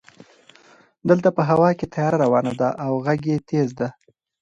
دلته په هوا کې طیاره روانه ده او غژ یې تېز ده.